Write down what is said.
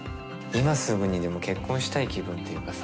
今すぐにでも結婚したい気分っていうかさ。